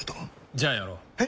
じゃあやろう。え？